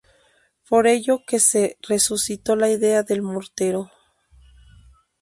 Por ello que se resucitó la idea del mortero.